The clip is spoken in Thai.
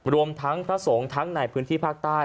รวมทั้งพระสงฆ์ทั้งในพื้นที่ภาคใต้